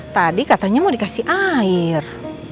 tadi katanya mau dikasih air